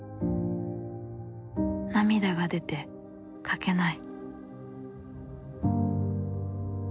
涙が出て書けない」。